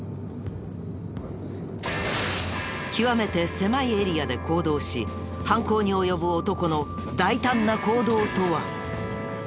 極めて狭いエリアで行動し犯行に及ぶ男の大胆な行動とは。